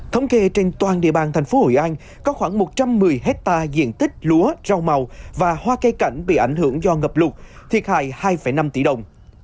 thống kê trên toàn địa bàn thành phố hội an có khoảng một trăm một mươi hectare diện tích lúa rau màu và hoa cây cảnh bị ảnh hưởng do ngập lụt thiệt hại hai năm tỷ đồng